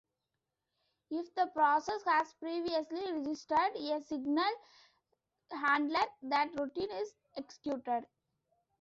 If the process has previously registered a signal handler, that routine is executed.